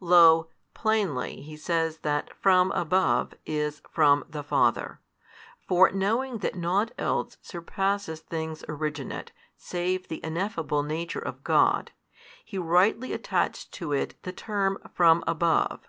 Lo, plainly he says that from above is from the Father: for knowing that nought else surpasseth things originate save the Ineffable Nature of God, he rightly attached to it the term from above.